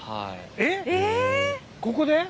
ここで！？